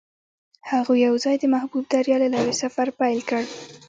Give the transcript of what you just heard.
هغوی یوځای د محبوب دریا له لارې سفر پیل کړ.